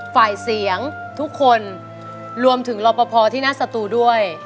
ฝ่ายเสียงทุกคนรวมถึงรอปภที่หน้าสตูด้วย